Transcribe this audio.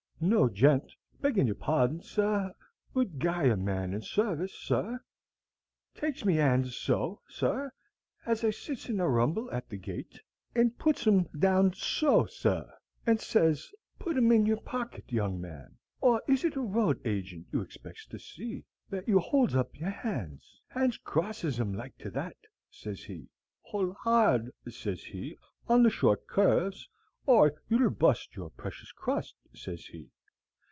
"No gent beggin' your pardin, sir 'ud guy a man in sarvis, sir. Takes me 'ands so, sir, as I sits in the rumble at the gate, and puts 'em downd so, sir, and sez, 'Put 'em in your pocket, young man, or is it a road agint you expects to see, that you 'olds hup your 'ands, hand crosses 'em like to that,' sez he. ''Old 'ard,' sez he, 'on the short curves, or you'll bust your precious crust,' sez he.